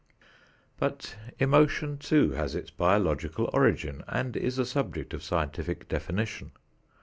But emotion too has its biological origin and is a subject of scientific definition.